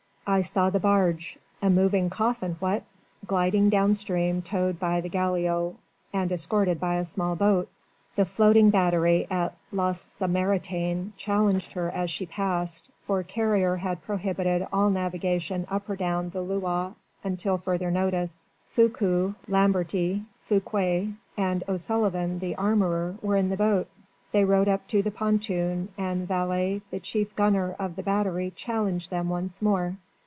"I saw the barge a moving coffin, what? gliding down stream towed by the galliot and escorted by a small boat. The floating battery at La Samaritaine challenged her as she passed, for Carrier had prohibited all navigation up or down the Loire until further notice. Foucaud, Lamberty, Fouquet and O'Sullivan the armourer were in the boat: they rowed up to the pontoon and Vailly the chief gunner of the battery challenged them once more.